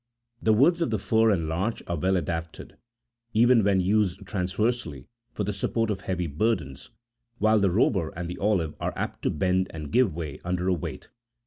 The woods of the fir and larch are well adapted, even when used transversely, for the support of heavy burdens ; while the robur and the olive are apt to bend and give way under a weight.